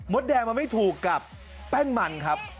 แดงมันไม่ถูกกับแป้นมันครับ